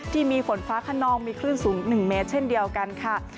ที่มีฝนฟ้าขนองมีคลื่นสูง๑เมตรเช่นเดียวกันค่ะ